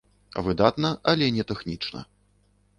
Выдатна, але не тэхнічна.